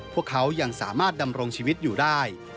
พวกเขายังสามารถดำรงชีวิตอยู่ได้